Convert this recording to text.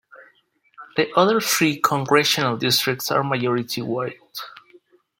The other three congressional districts are majority white.